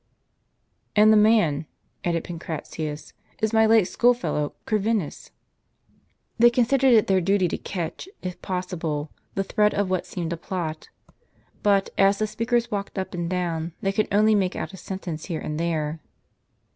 "And the man," added Pancratius, "is my late school fellow, Corvinus." They considered it their duty to catch, if possible, the thread of what seemed a plot; but, as the speakers walked up and down, they could only make out a sentence here and there.